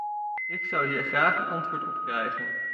Ik zou hier graag een antwoord op krijgen!